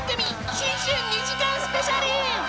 ［新春２時間スペシャル！］